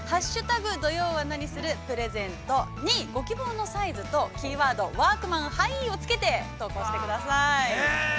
土曜はナニするプレゼント」にご希望のサイズとキーワード、「ワークマンハイ」をつけて、投稿してください。